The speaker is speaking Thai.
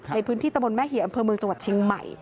ในพื้นที่ตะบนแม่เหี่ยอำเภอเมืองจังหวัดเชียงใหม่